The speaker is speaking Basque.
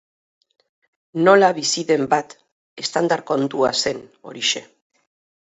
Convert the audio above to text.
Nola bizi den bat, estandar-kontua zen, horixe.